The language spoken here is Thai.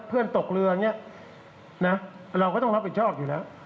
ตกเรืออย่างนี้นะเราก็ต้องรับผิดชอบอยู่แล้ว